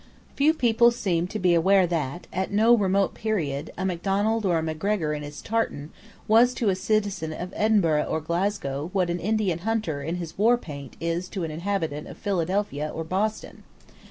Few people seemed to be aware that, at no remote period, a Macdonald or a Macgregor in his tartan was to a citizen of Edinburgh or Glasgow what an Indian hunter in his war paint is to an inhabitant of Philadelphia or Boston.